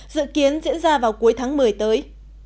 dự kiến diễn ra vào cuối tháng một mươi tới